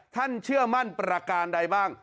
เชื่อมั่นประการใดบ้าง